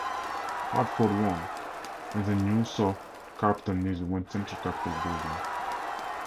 Hartford won, and the new sole capital needed one central capitol building.